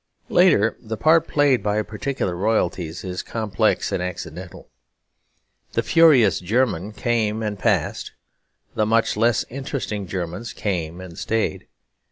Later, the part played by particular royalties is complex and accidental; "the furious German" came and passed; the much less interesting Germans came and stayed.